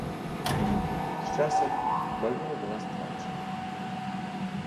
З часам магіла была страчана.